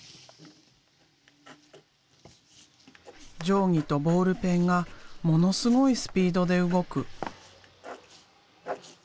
定規とボールペンがものすごいスピードで動く。